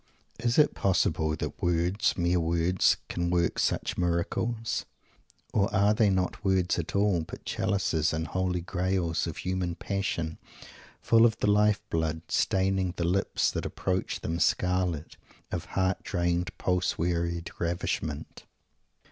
Is it possible that words, mere words, can work such miracles? Or are they not words at all, but chalices and Holy graals, of human passion, full of the life blood, staining the lips that approach them scarlet, of heart drained pulse wearied ravishment?